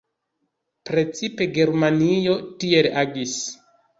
Precipe Germanujo tiel agis.